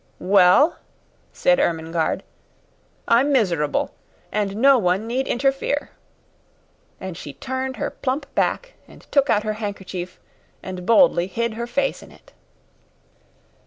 "Well," said Ermengarde, "I'm miserable and no one need interfere." And she turned her plump back and took out her handkerchief and boldly hid her face in it.